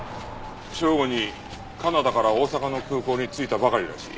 正午にカナダから大阪の空港に着いたばかりらしい。